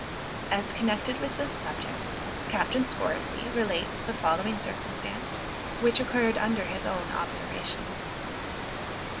As connected with this subject, Captain Scoresby relates the following circumstance, which occurred under his own observation.